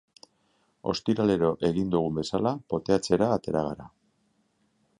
Ostiralero egin dugun bezala, poteatzera atera gara.